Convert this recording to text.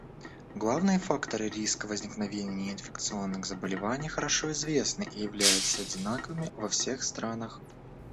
Главные факторы риска возникновения неинфекционных заболеваний хорошо известны и являются одинаковыми во всех странах.